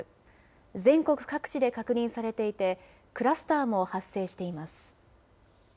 全国各地で確認されていて、クラスターも発生しています。